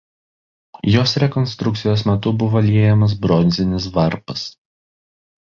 Jos rekonstrukcijos metu buvo liejamas bronzinis varpas.